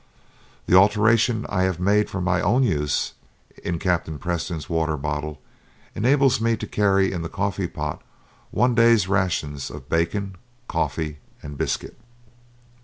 The alteration I have made for my own use in Captain Preston's water bottle enables me to carry in the coffee pot one day's rations of bacon, coffee, and biscuit.